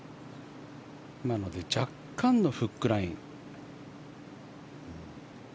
今ので若干のフックライン。